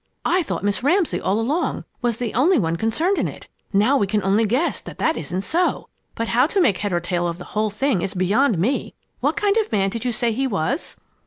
I thought Miss Ramsay, all along, was the only one concerned in it. Now we can only guess that that isn't so. But how to make head or tail of the whole thing is beyond me. What kind of a man did you say he was?"